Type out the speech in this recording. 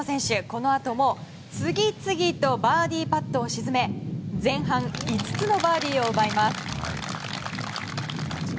このあとも次々とバーディーパットを沈め前半、５つのバーディーを奪います。